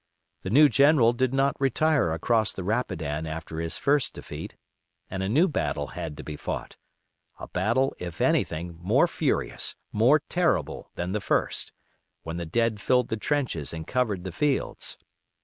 The new general did not retire across the Rapidan after his first defeat, and a new battle had to be fought: a battle, if anything, more furious, more terrible than the first, when the dead filled the trenches and covered the fields.